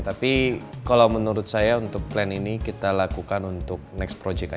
tapi kalau menurut saya untuk plan ini kita lakukan untuk next project aja